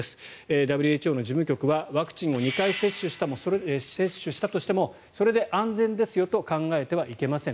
ＷＨＯの事務局はワクチンを２回接種したとしてもそれで安全ですよと考えてはいけません。